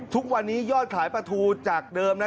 ทุกวันนี้ยอดขายปลาทูจากเดิมนะ